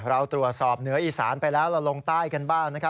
เราตรวจสอบเหนืออีสานไปแล้วเราลงใต้กันบ้างนะครับ